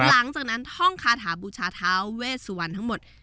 หลังจากนั้นท่องคาถาบูชาท้าเวสวรรณทั้งหมด